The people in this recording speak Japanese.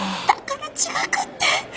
だから違くって！